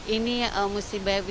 ini musibah juga